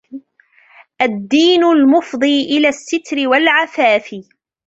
الدِّينُ الْمُفْضِي إلَى السِّتْرِ وَالْعَفَافِ